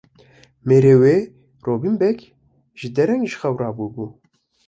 Mêrê wê Robîn Beg jî dereng ji xewê rabûbû.